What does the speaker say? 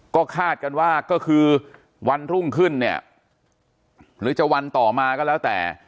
ก็คาดกันว่าก็คือวันรุ่งขึ้นเนี่ยหรือจะวันต่อมาก็แล้วแต่